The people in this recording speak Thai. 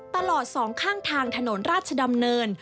ตลอดสองข้างทางถนนราชดำเนิน